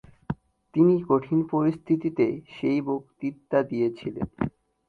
তিনি কঠিন পরিস্থিতিতে সেই বক্তৃতা দিয়েছিলেন।